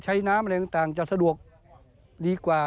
น้ำอะไรต่างจะสะดวกดีกว่า